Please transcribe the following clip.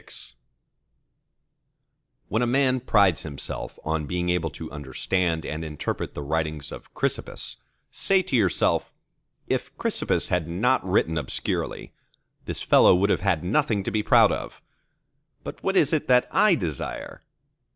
CLXXVII When a man prides himself on being able to understand and interpret the writings of Chrysippus, say to yourself:— If Chrysippus had not written obscurely, this fellow would have had nothing to be proud of. But what is it that I desire?